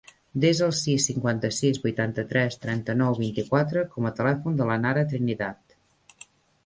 Desa el sis, cinquanta-sis, vuitanta-tres, trenta-nou, vint-i-quatre com a telèfon de la Nara Trinidad.